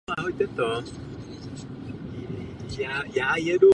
Od mládí se věnoval hudbě.